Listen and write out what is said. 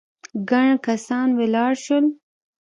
ګڼ کسان ولاړ شول.